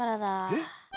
えっ？